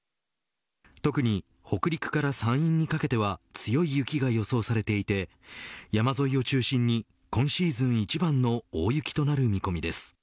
特に北陸から山陰にかけては強い雪が予想されていて山沿いを中心に今シーズン一番の大雪となる見込みです。